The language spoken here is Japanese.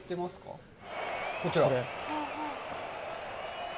こちら。